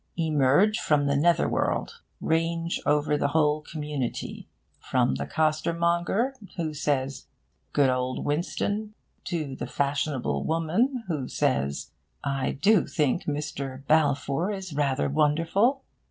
Emerge from the nether world. Range over the whole community from the costermonger who says 'Good Old Winston!' to the fashionable woman who says 'I do think Mr. Balfour is rather wonderful!'